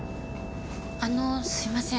あのすいません。